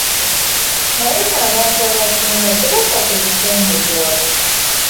Naye nno abantu abasinga tebafa ku bisenge byabwe.